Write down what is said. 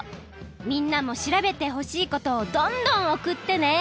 みんなも調べてほしいことをどんどんおくってね！